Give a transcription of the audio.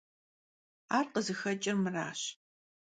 Ar khızıxeç'ır mıraş.